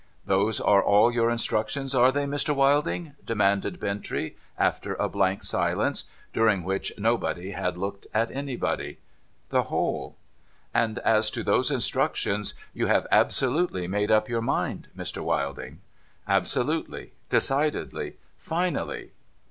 'Those are all your instructions, are they, Mr. Wilding?' demanded Bintrey, after a blank silence, during which nobody had looked at anybody. ' The whole.' 'And as to those instructions, you have absolutely made up your mind, Mr, Wilding ?'' Absolutely, decidedly, finally.'